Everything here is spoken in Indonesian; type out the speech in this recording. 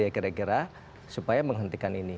jadi kita harus mencari cara cara supaya menghentikan ini